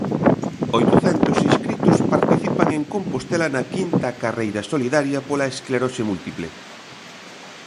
Oitocentos inscritos participan en Compostela na quinta carreira solidaria pola esclerose múltiple.